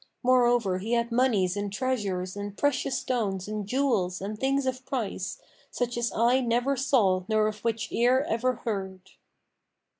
Moreover, he had monies and treasures and precious stones and jewels and things of price, such as eye never saw nor of which ear ever heard.'"